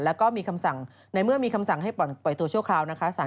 และมีคำสั่งในเมื่อมีคำสั่งให้ปล่อยตัวช่วงคราว